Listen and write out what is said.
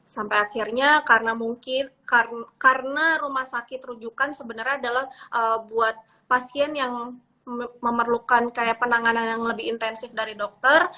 sampai akhirnya karena mungkin karena rumah sakit rujukan sebenarnya adalah buat pasien yang memerlukan kayak penanganan yang lebih intensif dari dokter